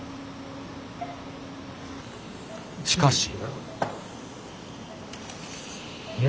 しかし。